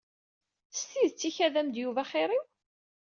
S tidet ikad-am-d Yuba axir-iw?